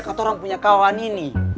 keturang punya kawan ini